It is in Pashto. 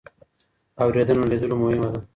اورېدنه له لیدلو مهمه ده.